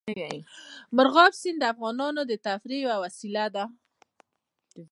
مورغاب سیند د افغانانو د تفریح یوه وسیله ده.